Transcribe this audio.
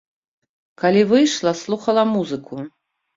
Калі выйшла, слухала музыку.